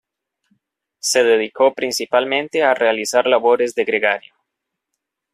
Se dedicó principalmente a realizar labores de gregario.